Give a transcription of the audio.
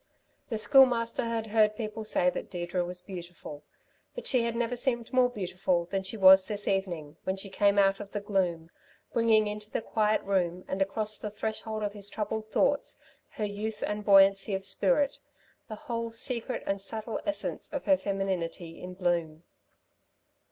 The Schoolmaster had heard people say that Deirdre was beautiful; but she had never seemed more beautiful than she was this evening, when she came out of the gloom, bringing into the quiet room and across the threshold of his troubled thoughts, her youth and buoyancy of spirit, the whole secret and subtle essence of her femininity in bloom.